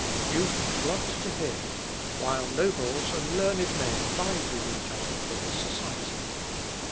Youth flocked to hear him, while nobles and learned men vied with each other for his society.